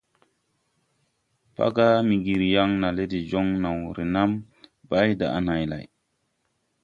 Paga Miŋgiri na yaŋ le de joŋ naw renam bay daʼ này lay.